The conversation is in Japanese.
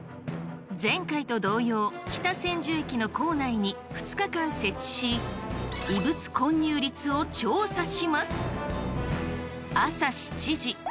前回と同様北千住駅の構内に２日間設置し異物混入率を調査します。